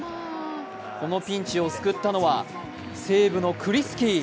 このピンチを救ったのは西武のクリスキー。